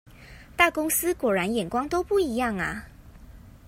大公司果然眼光都不一樣啊！